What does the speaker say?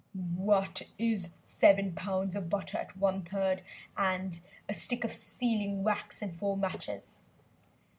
"What is seven pounds of butter at 1/3, and a stick of sealing wax and four matches?"